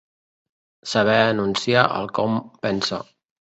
Saber enunciar el que hom pensa.